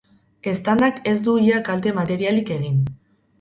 Eztandak ez du ia kalte materialik egin.